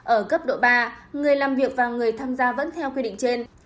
ở cấp độ ba người làm việc và người tham gia vẫn theo quy định trên